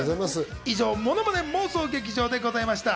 以上、ものまね妄想劇場でした。